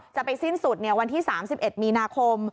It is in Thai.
จะไปสิ้นสุดวันที่๓๑มีนาคม